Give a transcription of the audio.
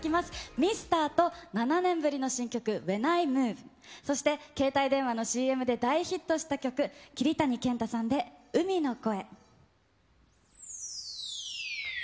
ミスターと７年ぶりの新曲、ＷＨＥＮＩＭＯＶＥ、そして携帯電話のＣＭで大ヒットした曲、桐谷健太さんで、海の声。